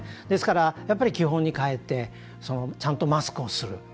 ですから、基本にかえってちゃんとマスクをする。